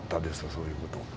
そういうことは。